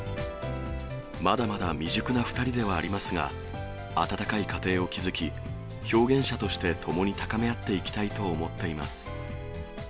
まだまだ未熟な２人ではありますが、温かい家庭を築き、表現者として共に高め合っていきたいと思っています。